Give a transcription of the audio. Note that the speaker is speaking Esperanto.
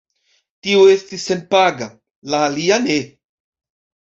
Tio estis senpaga, la alia ne.